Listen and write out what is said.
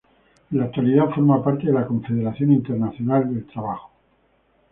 En la actualidad forma parte de la Confederación Internacional del Trabajo.